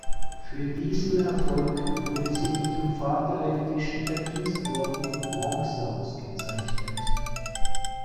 Für diesen Erfolg wurde sie mit dem Vaterländischen Verdienstorden in Bronze ausgezeichnet.